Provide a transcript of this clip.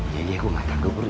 iya iya gue gak tak kabur